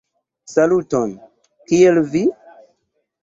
Saluton! Kiel vi?